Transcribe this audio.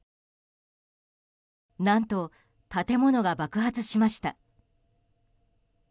何と、建物が爆発しました。